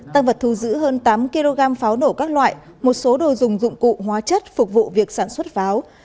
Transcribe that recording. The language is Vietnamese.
tăng vật thu giữ hơn tám kg pháo nổ các loại một số đồ dùng dụng cụ hóa chất phục vụ việc sản xuất pháo